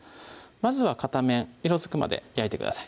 まずは片面色づくまで焼いてください